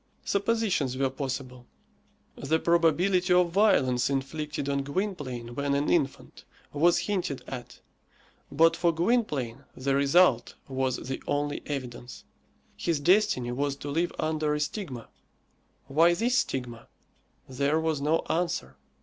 Suppositions were possible. The probability of violence inflicted on Gwynplaine when an infant was hinted at, but for Gwynplaine the result was the only evidence. His destiny was to live under a stigma. Why this stigma? There was no answer.